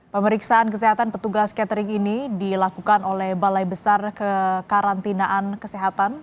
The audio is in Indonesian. pemeriksaan kesehatan petugas catering ini dilakukan oleh balai besar kekarantinaan kesehatan